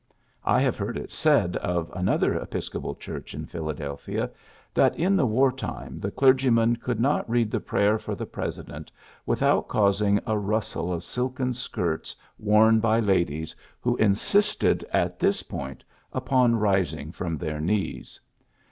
I have heard it said of another Episcopal church in Philadelphia that in the war time the clergyman could not read the prayer for the President with out causing a rustle of silken skirts worn by ladies who insisted at this point upon rising from their knees.